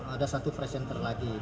ada satu presenter lagi